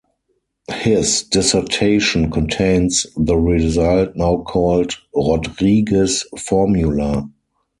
His dissertation contains the result now called Rodrigues' formula.